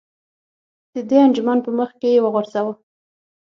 د دې انجمن په مخ کې یې وغورځوه.